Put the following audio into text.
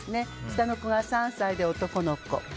下の子が３歳で男の子。